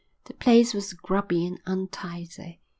The place was grubby and untidy.